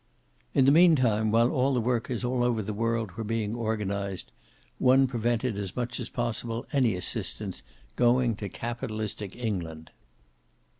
In the meantime, while all the workers all over the world were being organized, one prevented as much as possible any assistance going to capitalistic England.